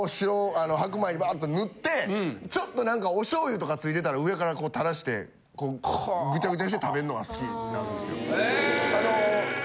白米にバーッと塗ってちょっとなんかお醤油とか付いてたら上からこう垂らしてぐちゃぐちゃにして食べんのが好きなんですよ。へ！